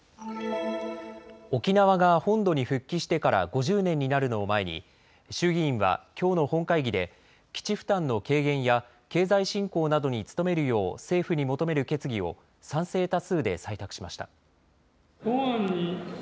沖縄が本土に復帰してから５０年になるのを前に衆議院はきょうの本会議で基地負担の軽減や経済振興などに努めるよう政府に求める決議を賛成多数で採択しました。